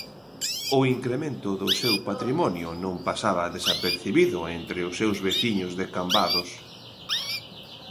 O incremento do seu patrimonio non pasaba desapercibido entre os seus veciños de Cambados.